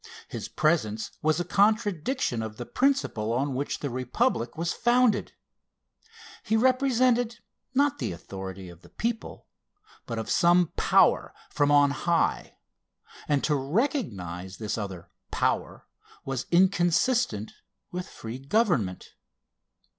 His presence was a contradiction of the principle on which the Republic was founded. He represented, not the authority of the people, but of some "Power from on High," and to recognize this other Power was inconsistent with free government.